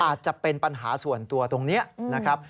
อาจจะเป็นปัญหาส่วนตัวตรงนี้นะครับ